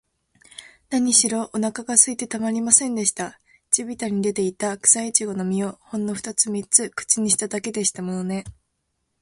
なにしろ、おなかがすいてたまりませんでした。地びたに出ていた、くさいちごの実を、ほんのふたつ三つ口にしただけでしたものね。